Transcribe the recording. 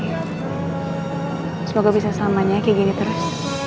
hai semoga bisa selamanya kayak gini terus